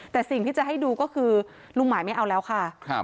แต่สิ่งที่จะให้ดูก็คือลุงหมายไม่เอาแล้วค่ะ